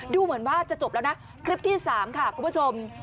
ดูเหมือนว่าจะจบแล้วนะคลิปที่๓ค่ะคุณผู้ชม